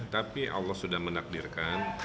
tapi allah sudah menakdirkan